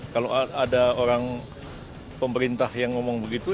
kalau ada orang pemerintah yang ngomong begitu